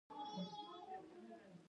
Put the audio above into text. د بولان پټي د افغانستان د بڼوالۍ برخه ده.